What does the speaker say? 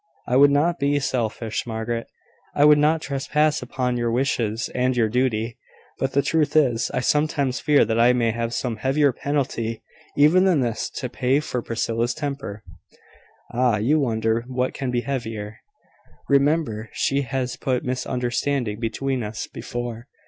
"I would not be selfish, Margaret I would not trespass upon your wishes and your duty, but the truth is, I sometimes fear that I may have some heavier penalty even than this to pay for Priscilla's temper. Ah! you wonder what can be heavier. Remember she has put misunderstanding between us before."